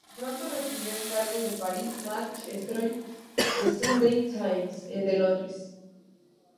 Pronto recibió encargos de "Paris Match", Stern y "The Sunday Times" "de Londres.